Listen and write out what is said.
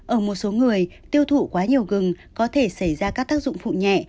ở một số người tiêu thụ quá nhiều gừng có thể xảy ra các tác dụng phụ nhẹ